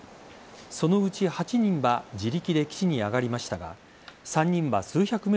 そのうち８人は自力で岸に上がりましたが３人は数百ｍ